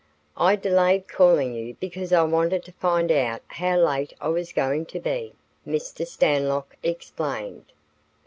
"I delayed calling you because I wanted to find out how late I was going to be," Mr. Stanlock explained.